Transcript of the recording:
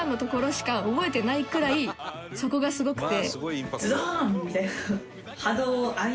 そこがすごくて。